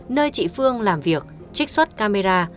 nơi chị phương làm việc trích xuất camera